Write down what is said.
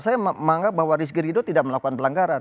saya menganggap bahwa rizky ridho tidak melakukan pelanggaran